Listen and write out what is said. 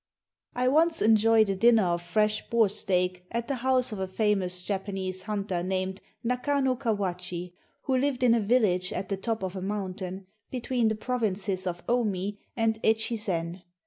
I once enjoyed a dinner of fresh boar steak at the house of a famous Japanese hunter named Nakano Kawachi, who lived in a village at the top of a mountain, between the provinces of Omi and Echizen.